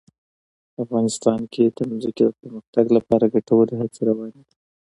افغانستان کې د ځمکه د پرمختګ لپاره ګټورې هڅې روانې دي.